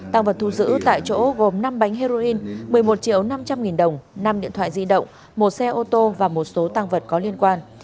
tăng vật thu giữ tại chỗ gồm năm bánh heroin một mươi một triệu năm trăm linh nghìn đồng năm điện thoại di động một xe ô tô và một số tăng vật có liên quan